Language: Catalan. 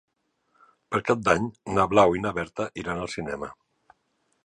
Per Cap d'Any na Blau i na Berta iran al cinema.